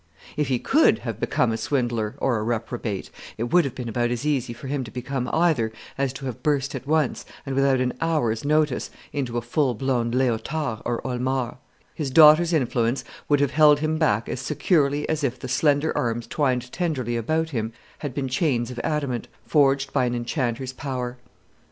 If he could have become a swindler or a reprobate, it would have been about as easy for him to become either as to have burst at once, and without an hour's practice, into a full blown Léotard or Olmar, his daughter's influence would have held him back as securely as if the slender arms twined tenderly about him had been chains of adamant forged by an enchanter's power.